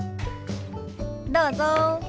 どうぞ。